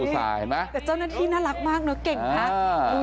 ตัวเจ้าหน้าที่น่ารักมากเนอะเก่งทัก